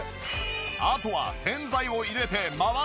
あとは洗剤を入れて回すだけ！